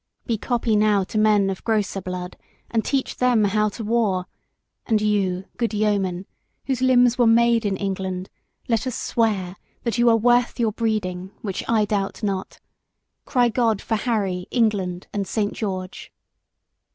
Be copy now to men of grosser blood And teach them how to war. And you, good yeomen, Whose limbs were made in England, let us swear That you are worth your breeding, which I doubt not; Cry God for Harry, England and Saint George."